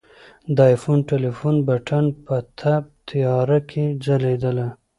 د آیفون ټلیفون بټن په تپ تیاره کې ځلېدله.